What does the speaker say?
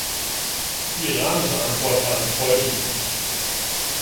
Die iranische Antwort war enttäuschend.